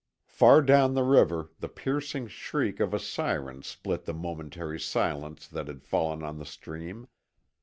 Far down the river the piercing shriek of a siren split a momentary silence that had fallen on the stream.